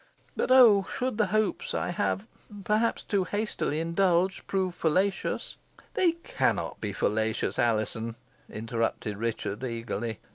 But oh! should the hopes I have perhaps too hastily indulged, prove fallacious " "They cannot be fallacious, Alizon," interrupted Richard, eagerly.